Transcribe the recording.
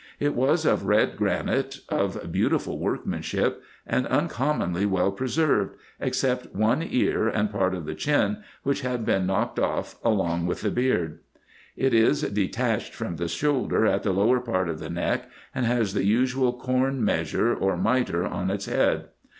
It was of red granite, of beautiful workmanship, and uncommonly well preserved, except one ear, and part of the chin, which had been knocked off along with the beard. It is detached from the shoulder at the lower part of the neck, and has the usual corn measure, or mitre, on its head.